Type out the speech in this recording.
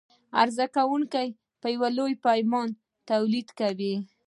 عرضه کوونکى په لویه پیمانه تولید کوي.